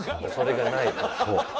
それがないと。